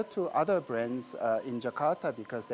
dengan brand lain di jakarta karena